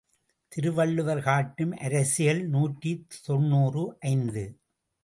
திருவள்ளுவர் காட்டும் அரசியல் நூற்றி தொன்னூறு ஐந்து.